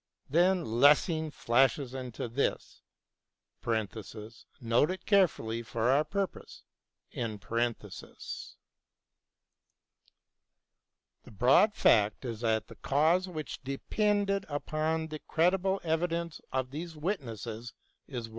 Then Lessing flashes into this (note it carefully for our purpose) : The broad fact is that the cause which depended upon the credible evidences of these witnesses is won.